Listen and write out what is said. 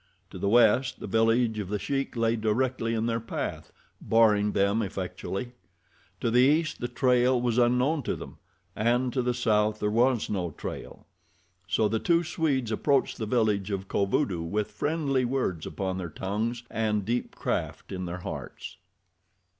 To the west, the village of The Sheik lay directly in their path, barring them effectually. To the east the trail was unknown to them, and to the south there was no trail. So the two Swedes approached the village of Kovudoo with friendly words upon their tongues and deep craft in their hearts.